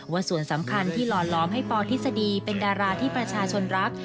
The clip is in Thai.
ว่าส่วนสำคัญที่หล่อล้อมให้ปทฤษฎีเป็นดาราที่ประชาชนรัก